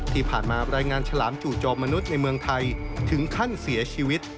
ที่ผ่านมารายงานชาลามจู่โจมนุษย์ในเมืองไทยถึงขั้นเสียชีวิต